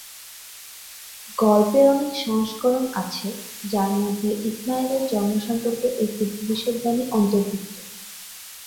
গল্পের অনেক সংস্করণ আছে, যার মধ্যে ইসমাইলের জন্ম সম্পর্কে একটি ভবিষ্যদ্বাণী অন্তর্ভুক্ত।